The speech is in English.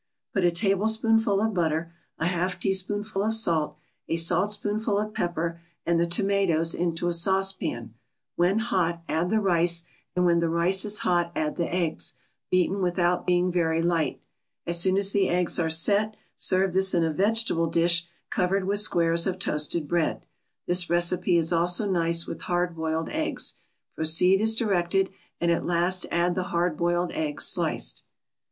Put a tablespoonful of butter, a half teaspoonful of salt, a saltspoonful of pepper and the tomatoes into a saucepan; when hot add the rice, and when the rice is hot add the eggs, beaten without being very light. As soon as the eggs are "set" serve this in a vegetable dish covered with squares of toasted bread. This recipe is also nice with hard boiled eggs; proceed as directed, and at last add the hard boiled eggs, sliced.